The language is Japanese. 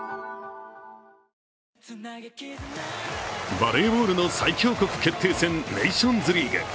バレーボールの最強国決定戦、ネーションズリーグ。